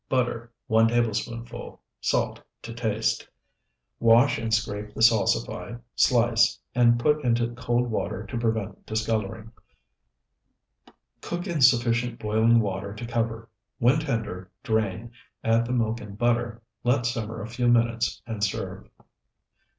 Butter, 1 tablespoonful. Salt to taste. Wash and scrape the salsify, slice, and put into cold water to prevent discoloring. Cook in sufficient boiling water to cover. When tender, drain, add the milk and butter, let simmer a few minutes, and serve.